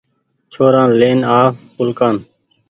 ڇورآن لين آو اُلڪآن